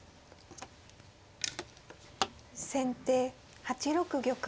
先手８六玉。